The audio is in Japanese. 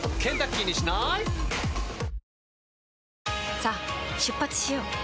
さあ出発しよう。